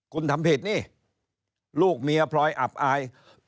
คุณทำผิดนี่ลูกเมียพลอยอับอาย